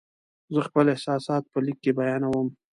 زه خپل احساسات په لیک کې بیانوم.